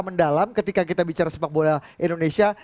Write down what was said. mendalam ketika kita bicara sepak bola indonesia